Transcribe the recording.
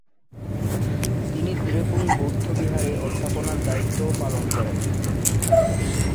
তিনি দ্রেপুং বৌদ্ধবিহারে অধ্যাপনার দায়িত্বও পালন করেন।